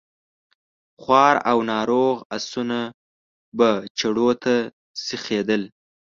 خوار او ناروغ آسونه به چړو ته سيخېدل.